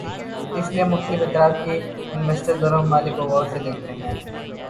اس لیے مختلف اطراف کے انویسٹر دونوں ممالک کو غور سے دیکھتے ہیں۔